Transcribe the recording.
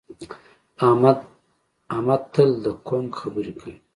احمد تل د کونک خبرې کوي.